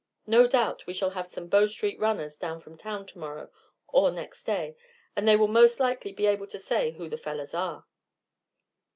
No doubt we shall have some Bow Streets runners down from town tomorrow or next day, and they will most likely be able to say who the fellows are."